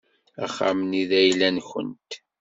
Axxam-nni d ayla-nwent.